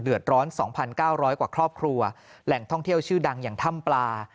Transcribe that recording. ร้อน๒๙๐๐กว่าครอบครัวแหล่งท่องเที่ยวชื่อดังอย่างถ้ำปลา